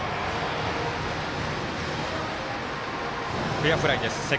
フェアフライです。